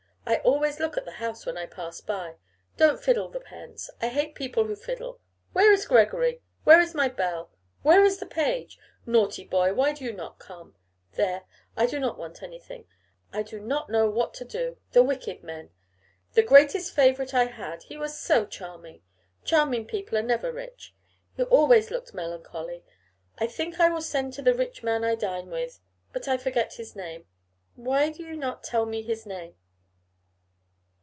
I always look at the house when I pass by. Don't fiddle the pens; I hate people who fiddle. Where is Gregory? where is my bell' Where is the page? Naughty boy! why do not you come? There, I do not want anything; I do not know what to do. The wicked men! The greatest favourite I had: he was so charming! Charming people are never rich; he always looked melancholy. I think I will send to the rich man I dine with; but I forget his name. Why do not you tell me his name?